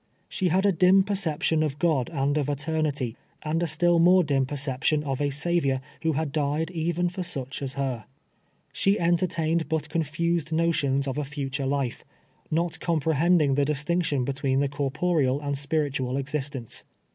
She had a dim perception of God and of eternity, and a still more dim perception of a Sav iour who had died even for such as her. She enter tained but confused notions of a future life — not com prehending the distinction between the corporeal and spiritual existence.